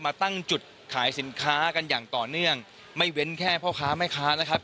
มาตั้งจุดขายสินค้ากันอย่างต่อเนื่องไม่เว้นแค่พ่อค้าแม่ค้านะครับ